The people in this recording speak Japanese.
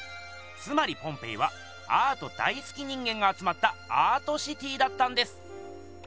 つまりポンペイはアート大すき人間があつまったアートシティーだったんです！